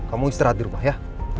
kamu istirahat di rumah ya